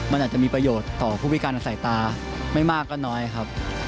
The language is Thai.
มันอาจจะมีประโยชน์ต่อผู้พิการใส่ตาไม่มากก็น้อยครับ